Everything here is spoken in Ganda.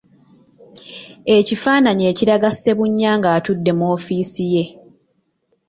Ekifaananyi ekiraga Ssebunya nga atudde mu ofiisi ye.